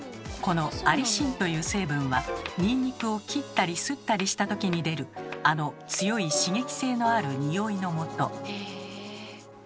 このアリシンという成分はニンニクを切ったりすったりしたときに出るあの強い刺激性のあるニオイのもと。